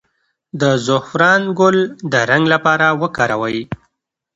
د زعفران ګل د رنګ لپاره وکاروئ